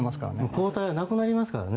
抗体はなくなりますからね。